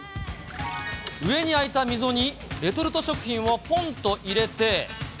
上に開いた溝にレトルト食品をぽんと入れて。